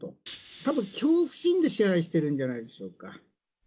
たぶん、恐怖心で支配してるんじゃないでしょうか。